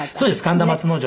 神田松之丞。